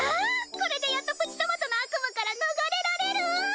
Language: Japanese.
これでやっとプチトマトの悪夢から逃れられる！